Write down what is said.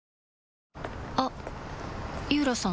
あっ井浦さん